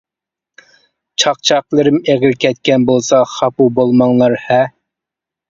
چاقچاقلىرىم ئېغىر كەتكەن بولسا خاپا بولماڭلار ھە.